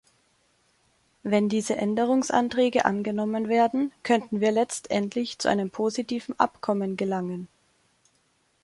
Wenn diese Änderungsanträge angenommen werden, könnten wir letztendlich zu einem positiven Abkommen gelangen.